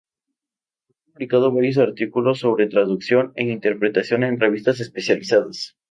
Ha publicado varios artículos sobre traducción e interpretación en revistas especializadas.